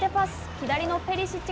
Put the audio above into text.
左のペリシッチ。